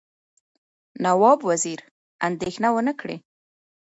نواب وزیر اندېښنه ونه کړي.